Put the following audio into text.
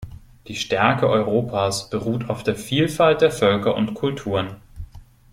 Die Stärke Europas beruht auf der Vielfalt der Völker und Kulturen.